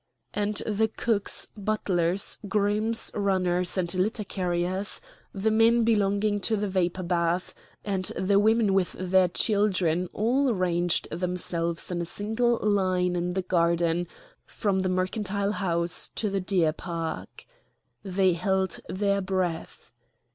And the cooks, butlers, grooms, runners, and litter carriers, the men belonging to the vapour baths, and the women with their children, all ranged themselves in a single line in the garden from the mercantile house to the deer park. They held their breath.